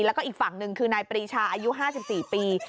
แล้วก็อีกฝั่งหนึ่งคือนายปรีชาอายุ๕๔ปี